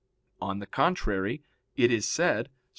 On the contrary, It is said (Ps.